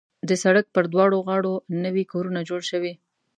د سړک پر دواړه غاړو نوي کورونه جوړ شوي.